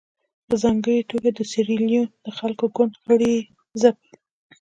په ځانګړې توګه د سیریلیون د خلکو ګوند غړي یې ځپل.